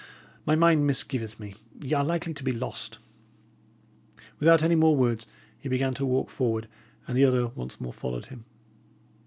My mind misgiveth me, y' are likely to be lost." Without any more words, he began to walk forward, and the other once more followed him.